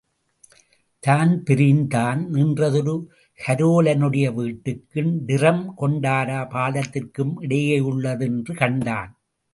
தான்பிரீன்தான் நின்ற தெரு கரோலனுடைய வீட்டுக்கும் டிரம்கொண்டரா பாலத்திற்குமிடையேயுள்ளது என்று கண்டான்.